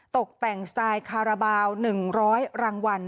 ตกแต่งสไตล์คาราบาล๑๐๐รางวัล